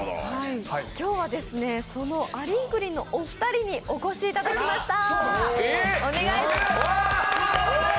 今日はそのありんくりんのお二人にお越しいただきました。